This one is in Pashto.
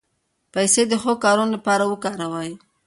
پیسې د ښو کارونو لپاره وکاروئ.